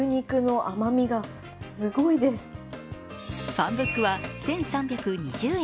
ファンブックは１３２０円。